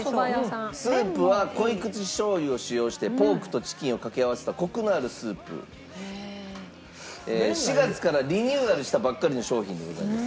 スープは濃口しょう油を使用してポークとチキンをかけ合わせた４月からリニューアルしたばっかりの商品でございます。